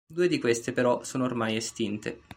Due di queste, però, sono ormai estinte.